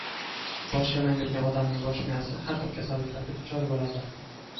Boshyalang yurgan odamning bosh miyasi har xil kasalliklarga duchor bo‘ladi.